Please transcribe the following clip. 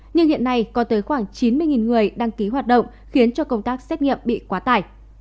nhưng hiện nay có tới khoảng chín mươi người đăng ký hoạt động khiến cho công tác xét nghiệm bị quá tải